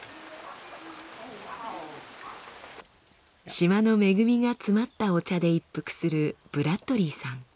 島の恵みが詰まったお茶で一服するブラッドリーさん。